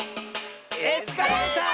「エスカレーター」！